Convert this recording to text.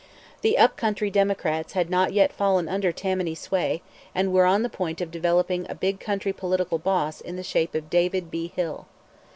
The up country Democrats had not yet fallen under Tammany sway, and were on the point of developing a big country political boss in the shape of David B. Hill.